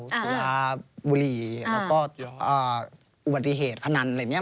สุราบุรีแล้วก็อุบัติเหตุพนันอะไรอย่างนี้